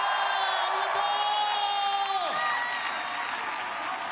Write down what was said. ありがとう！